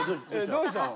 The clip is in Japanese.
どうしたん。